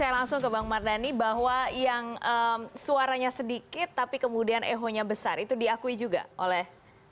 saya langsung ke bang mardhani bahwa yang suaranya sedikit tapi kemudian ehonya besar itu diakui juga oleh